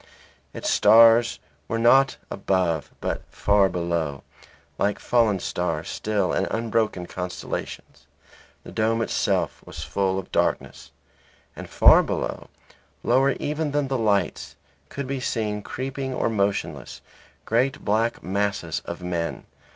Its stars were not above but far below, like fallen stars still in unbroken constellations; the dome itself was full of darkness. And far below, lower even than the lights, could be seen creeping or motionless, great black masses of men.